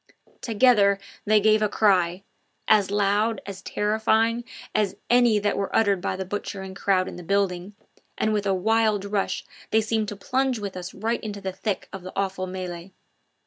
Together they gave a cry as loud, as terrifying as any that were uttered by the butchering crowd in the building, and with a wild rush they seemed to plunge with us right into the thick of the awful melee.